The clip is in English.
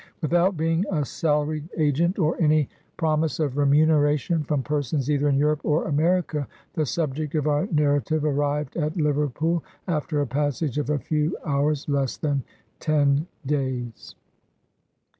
Without being a salaried agent, or any prom ise of remuneration from persons either in Europe or America, the subject of our narrative arrived at Liver pool, after a passage of a few hours less than ten days.